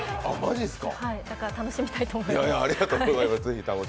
だから楽しみたいと思います。